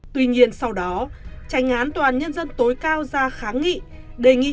tuy nhiên sau đó tranh án toán nhân dân tối cao ra kháng nghị